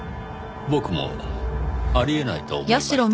僕もあり得ないと思いました。